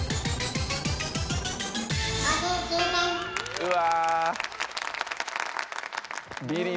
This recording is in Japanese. うわ。